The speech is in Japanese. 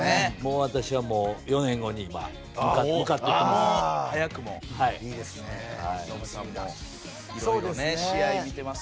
私は４年後に向かっていっています。